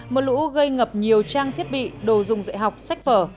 mưa lũ gây ngập nhiều trang thiết bị đồ dùng dạy học sách vở